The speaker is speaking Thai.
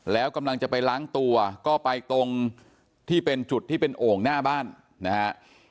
แล้วกำลังจะไปล้างตัวก็ไปตรงที่เป็นจุดที่เป็นโอ่งหน้าบ้านนะฮะ